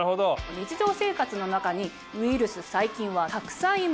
日常生活の中にウイルス・細菌はたくさんいます。